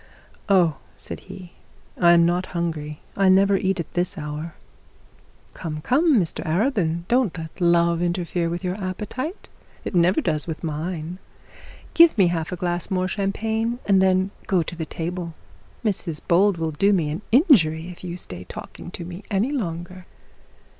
'Oh,' said he, 'I am not hungry; I never eat at this hour.' 'Come, come, Mr Arabin, don't let love interfere with your appetite. It never does with mine. Give me half a glass more champagne, and then go to the table. Mrs Bold will do me an injury if you stay talking to me any longer.'